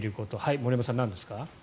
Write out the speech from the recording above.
森山さん、なんですか？